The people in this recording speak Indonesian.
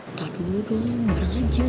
entah dulu dong lembar aja